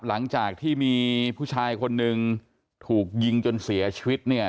หลังจากที่มีผู้ชายคนหนึ่งถูกยิงจนเสียชีวิตเนี่ย